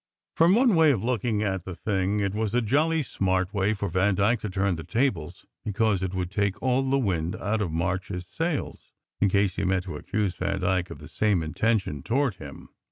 "From one way of looking at the thing, it was a jolly smart way for Vandyke to turn the tables, because it would take all the wind out of March s sails, in case he meant to accuse Vandyke of the same intention toward him.